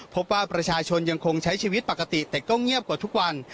พบว่าประชาชนยังคงใช้ชีวิตปกติแต่ก็เงียบกว่าทุกวัน